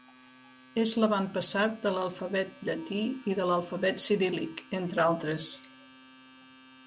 És l'avantpassat de l'alfabet llatí i de l'alfabet ciríl·lic, entre altres.